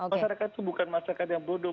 masyarakat itu bukan masyarakat yang bodoh